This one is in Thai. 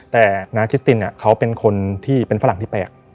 แต่นาคิสตินเขาเป็นคนที่เป็นฝรั่งที่แปลก